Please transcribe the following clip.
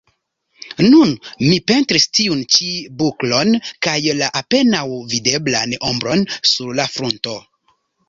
Nun mi pentris tiun ĉi buklon kaj la apenaŭ videblan ombron sur la frunto.